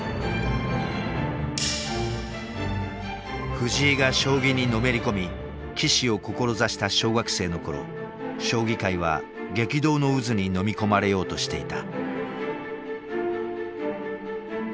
藤井が将棋にのめり込み棋士を志した小学生の頃将棋界は激動の渦にのみ込まれようとしていた。